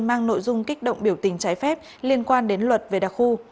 mang nội dung kích động biểu tình trái phép liên quan đến luật về đặc khu